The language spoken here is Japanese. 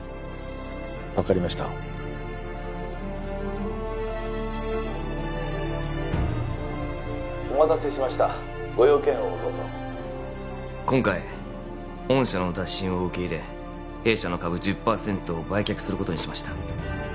分かりましたお待たせしましたご用件をどうぞ今回御社の打診を受け入れ弊社の株１０％を売却することにしました